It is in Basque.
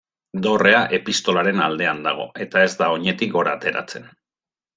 Dorrea Epistolaren aldean dago eta ez da oinetik gora ateratzen.